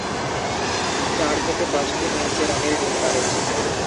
চার থেকে পাঁচটি নীলচে রঙের ডিম পাড়ে।